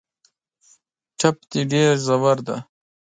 ټپ دي ډېر ژور دی .